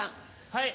はい。